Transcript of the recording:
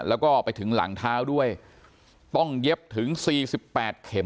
แล้วก็ไปถึงหลังเท้าด้วยต้องเย็บถึง๔๘เข็ม